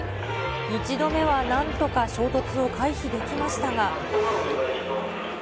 １度目はなんとか衝突を回避できましたが。